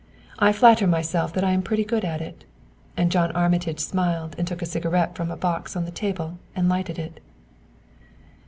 I flatter myself that I am pretty good at it," and John Armitage smiled and took a cigarette from a box on the table and lighted it.